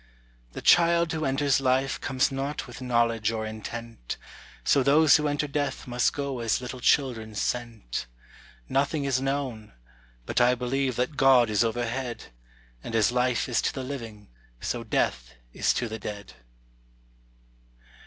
The child who enters life comes not with knowledge or intent, So those who enter death must go as little children sent. Nothing is known. But I believe that God is overhead; And as life is to the living, so death is to the dead.